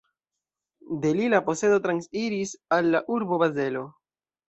De li la posedo transiris al la urbo Bazelo.